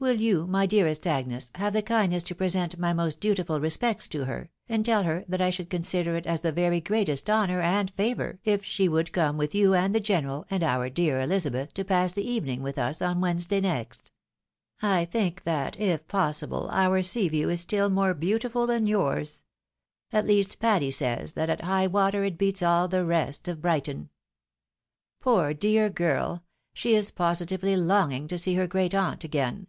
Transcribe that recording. Win you, my dearest Agnes, have the kindness to pre sent my most dutiful respects to her, and tell her that I should consider it as the very greatest honour and favour if she would come with you, and the general, and our dear Elizabeth, to pass the evening with us on Wednesday next. I think that, if pos sible, our sea view is more beautiful than yours. At least Patty says, that at high water it beats aU the rest of Brighton. Poor dear girl! — she is positively longing to see her great aunt again!